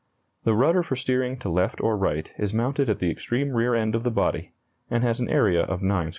The rudder for steering to left or right is mounted at the extreme rear end of the body, and has an area of 9 square feet.